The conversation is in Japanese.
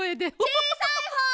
・ちいさいほう！